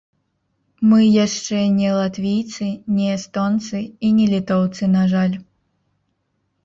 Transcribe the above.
Мы яшчэ не латвійцы, не эстонцы і не літоўцы, на жаль.